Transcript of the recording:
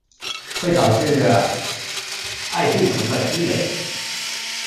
会导致艾杜醇的积累。